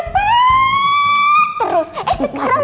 terus eh sekarang